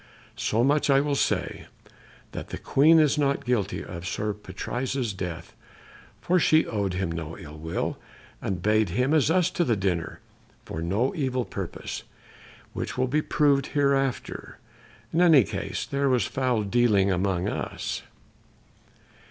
So much I will say, that the Queen is not guilty of Sir Patrise's death; for she owed him no ill will, and bade him and us to the dinner for no evil purpose, which will be proved hereafter. And in any case there was foul dealing among us."